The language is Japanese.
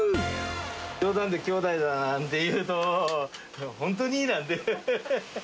冗談で、兄弟だなんて言うと、本当に？なんてね。